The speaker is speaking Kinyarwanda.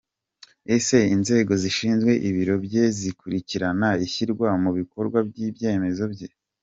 Ese inzego zishinzwe Ibiro bye zikurikirana ishyirwa mu bikorwa by’ibyemezo bye ?.